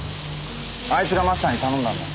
あいつがマスターに頼んだんだ。